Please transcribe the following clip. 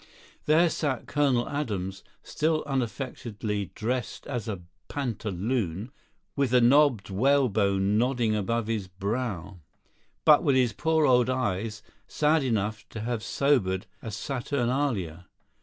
There sat Colonel Adams, still unaffectedly dressed as a pantaloon, with the knobbed whalebone nodding above his brow, but with his poor old eyes sad enough to have sobered a Saturnalia.